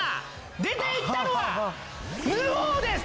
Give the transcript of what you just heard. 出ていったのはヌオーです。